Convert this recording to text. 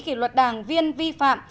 kỷ luật đảng viên vi phạm